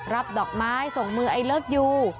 ดอกไม้ส่งมือไอเลิศยู